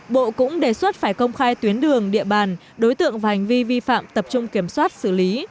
bộ cũng đề xuất phải công khai tuyến đường địa bàn đối tượng và hành vi vi phạm tập trung kiểm soát xử lý